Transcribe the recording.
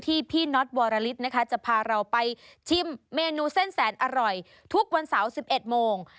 พี่น็อตวรลิศนะคะจะพาเราไปชิมเมนูเส้นแสนอร่อยทุกวันเสาร์๑๑โมง